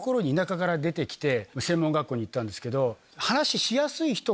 専門学校に行ったんですけど。